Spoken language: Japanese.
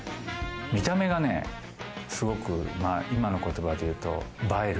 見た目がね、すごく今の言葉で言うと映える。